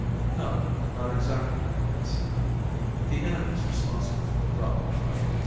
"No, not exactly," I said. "The enemy's responsible for the drop, all right.